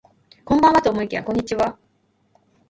こんばんはと思いきやこんにちは